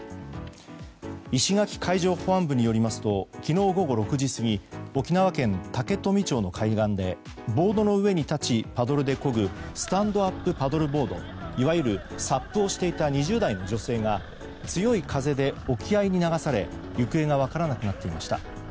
石垣海上保安部によりますと昨日午後６時過ぎ沖縄県竹富町の海岸でボードの上に立ちパドルでこぐスタンドアップパドルボードいわゆるＳＵＰをしていた２０代の女性が強い風で沖合に流され行方が分からなくなっていました。